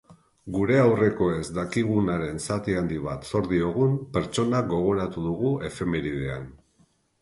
Gure aurrekoez dakigunaren zati handi bat zor diogun pertsona gogoratu dugu efemeridean.